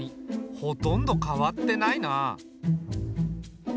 ほとんど変わってないな。